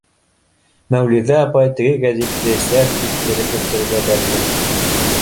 — Мәүлиҙә апай теге гәзитте сәрт иттереп өҫтәлгә бәрҙе.